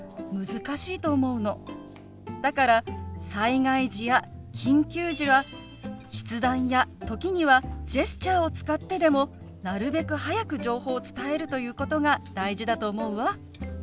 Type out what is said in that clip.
だから災害時や緊急時は筆談や時にはジェスチャーを使ってでもなるべく早く情報を伝えるということが大事だと思うわ。